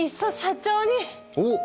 おっ！